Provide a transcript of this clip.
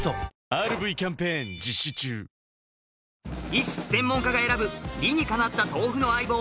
医師・専門家が選ぶ理にかなった豆腐の相棒